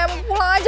mau pulang aja